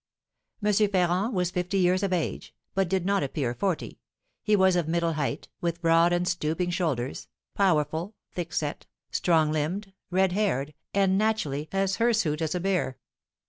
M. Ferrand was fifty years of age, but did not appear forty; he was of middle height, with broad and stooping shoulders, powerful, thickset, strong limbed, red haired, and naturally as hirsute as a bear.